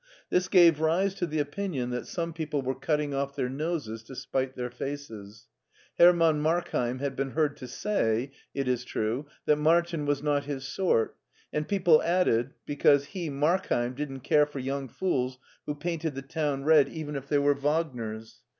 This gave rise to the opinion that scnne people LEIPSIC 87 were cutting off their noses to spite their faces. Her man Markheim had been heard to say, it is true, that Martin was not his sort ; and people added, bepause he, Markheim, didn't care for young fools who painted the town red, even if they were Wagners.